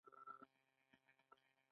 اسناد باید په جلا جلا فایلونو کې وي.